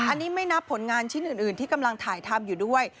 อันนี้ไม่นับผลงานชิ้นอื่นที่กำลังถ่ายทำอยู่ด้วย